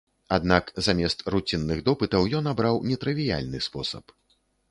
Аднак замест руцінных допытаў ён абраў нетрывіяльны спосаб.